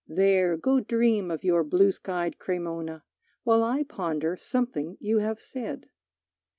There, go dream of your blue skied Cremona, While I ponder something you have said.